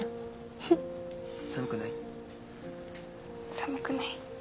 寒くない。